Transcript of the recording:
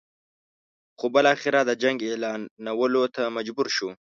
خو بالاخره د جنګ اعلانولو ته مجبور شو.